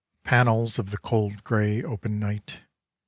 Panels of the cold gray open night.